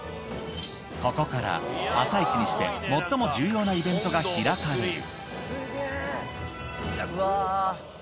ここから朝一にして、最も重要なイベントが開かれる。